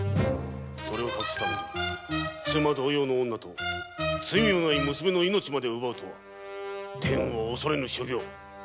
それを隠すため妻同様の女と罪もない娘の命まで奪うとは天も恐れぬ所業！